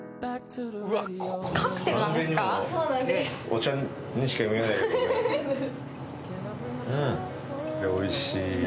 おいしい。